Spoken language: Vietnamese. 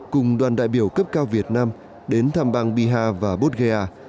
cùng đoàn đại biểu cấp cao việt nam đến thăm bang bihar và bodh gaya